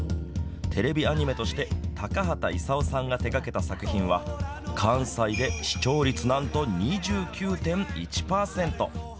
テレビアニメとして高畑勲さんが手がけた作品は関西で視聴率何と２９．１パーセント。